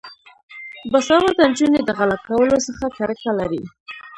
باسواده نجونې د غلا کولو څخه کرکه لري.